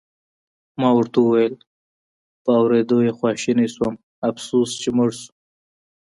ما ورته وویل: په اورېدو یې خواشینی شوم، افسوس چې مړ شو.